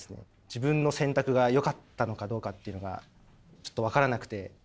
自分の選択がよかったのかどうかっていうのがちょっと分からなくて。